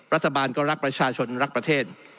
รัฐบาลก็รักประชาชนรักประเทศ